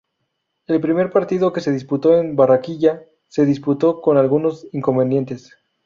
El primer partido, que se disputó en Barranquilla, se disputó con algunos inconvenientes.